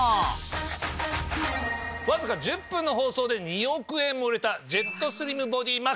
わずか１０分の放送で２億円も売れたジェットスリムボディＭＡＸ。